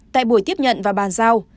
tại buổi tiếp nhận và bàn giao